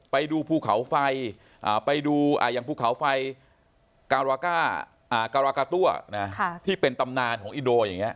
ไปดูภูเขาไฟไปดูอย่างภูเขาไฟการากาตั้วที่เป็นตำนานของอินโดอย่างนี้